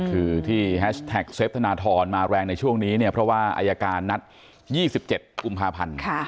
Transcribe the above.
คือที่แฮชแท็กเซฟธนทรมาแรงในช่วงนี้เนี่ยเพราะว่าอายการนัด๒๗กุมภาพันธ์